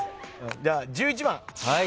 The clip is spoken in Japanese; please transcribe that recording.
じゃあ１１番。